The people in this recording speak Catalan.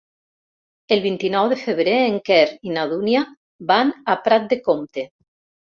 El vint-i-nou de febrer en Quer i na Dúnia van a Prat de Comte.